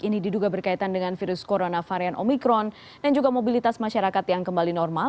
ini diduga berkaitan dengan virus corona varian omikron dan juga mobilitas masyarakat yang kembali normal